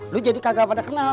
lo jadi kagak pada kenal